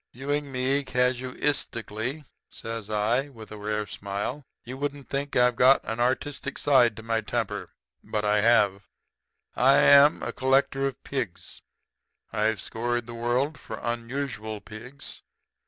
"'Viewing me casuistically,' says I, with a rare smile, 'you wouldn't think that I've got an artistic side to my temper. But I have. I'm a collector of pigs. I've scoured the world for unusual pigs.